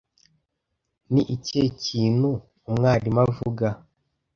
ni ikihe kintu Umwarimu avuga